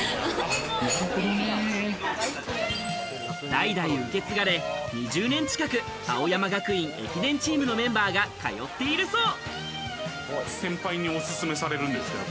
代々受け継がれ、２０年近く、青山学院駅伝チームのメンバーが通っているそう。